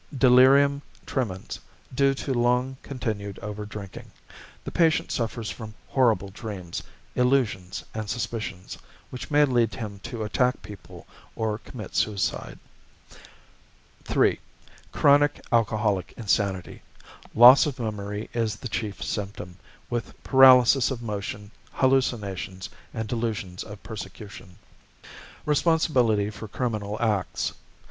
Delirium Tremens, due to long continued over drinking. The patient suffers from horrible dreams, illusions, and suspicions, which may lead him to attack people or commit suicide. 3. Chronic Alcoholic Insanity. Loss of memory is the chief symptom, with paralysis of motion, hallucinations and delusions of persecution. =Responsibility for Criminal Acts.